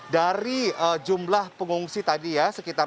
dari jumlah pengungsi tadi ya sekitar